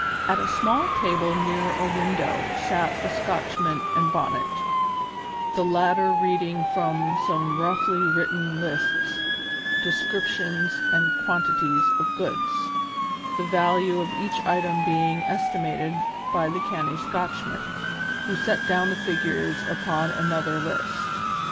At a small table near a window sat the Scotchman and Bonnet, the latter reading from some roughly written lists descriptions and quantities of goods, the value of each item being estimated by the canny Scotchman, who set down the figures upon another list.